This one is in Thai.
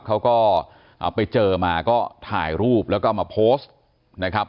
เขาก็ไปเจอมาก็ถ่ายรูปแล้วก็มาโพสต์นะครับ